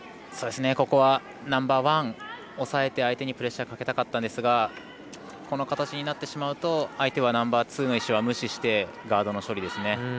ここはナンバーワン抑えて相手にプレッシャーかけたかったんですがこの形になってしまうと相手はナンバーツーの石は無視してガードの処理ですね。